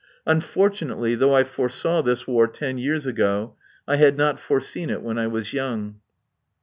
Unfortunately, though I foresaw this war ten years ago, I had not foreseen it when I was young.